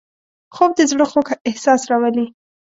خوب د زړه خوږ احساس راولي